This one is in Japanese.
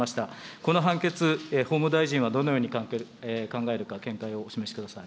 この判決、法務大臣はどのように考えるか、見解をお示しください。